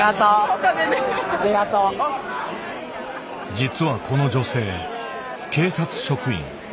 実はこの女性警察職員。